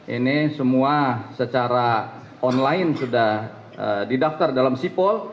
ini semua secara online sudah didaftar dalam sipol